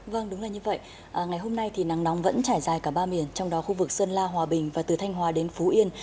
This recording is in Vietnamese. vâng đúng là như vậy ngày hôm nay thì nắng nóng vẫn trải dài cả ba miền trong đó khu vực sơn la hòa bình và từ thanh hòa đến phú yên